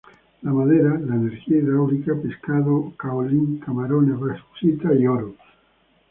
La madera, la energía hidráulica, pescado, caolín, camarones, bauxita y oro.